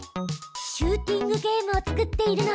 シューティングゲームを作っているの。